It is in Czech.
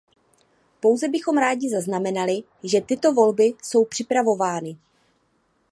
Pouze bychom rádi zaznamenali, že tyto volby jsou připravovány.